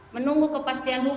menunggu kepastian hukum